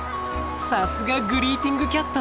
さすがグリーティングキャット。